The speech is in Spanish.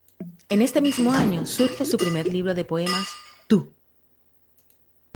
En este mismo año, surge su primer libro de poemas, "Tú".